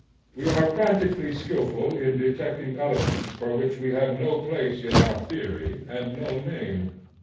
We are practically skilful in detecting elements for which we have no place in our theory, and no name.